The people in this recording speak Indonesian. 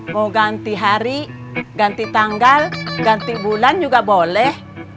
mau ganti hari ganti tanggal ganti bulan juga boleh